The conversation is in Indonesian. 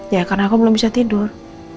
ya karena aku belum bisa tidur